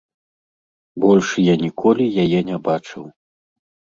Больш я ніколі яе не бачыў.